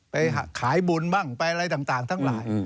ไปขายบุญบ้างไปอะไรต่างทั้งหลาย